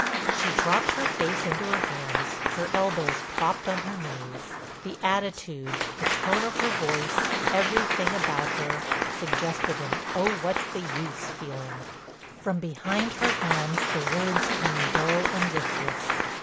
She dropped her face into her hands, her elbows propped on her knees. The attitude, the tone of her voice, everything about her, suggested an "Oh what's the use!" feeling. From behind her hands the words came dull and listless.